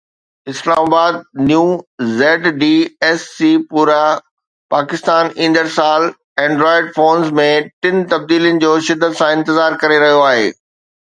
اسلام آبادNew ZDSCpura پاڪستان ايندڙ سال اينڊرائيڊ فونز ۾ ٽن تبديلين جو شدت سان انتظار ڪري رهيو آهي